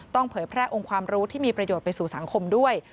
เผยแพร่องค์ความรู้ที่มีประโยชน์ไปสู่สังคมด้วย